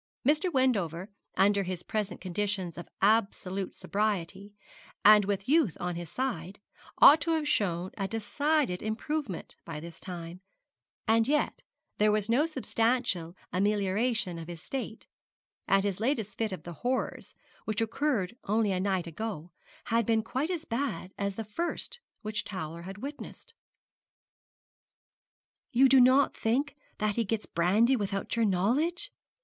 Mr. Wendover, under his present conditions of absolute sobriety, and with youth on his side, ought to have shown a decided improvement by this time; and yet there was no substantial amelioration of his state, and his latest fit of the horrors, which occurred only a night ago, had been quite as bad as the first which Towler had witnessed. 'You do not think that he gets brandy without your knowledge?'